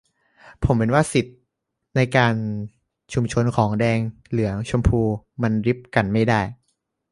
ผมเห็นว่าสิทธิในการชุมนุมของแดงเหลืองชมพูมันริบกันไม่ได้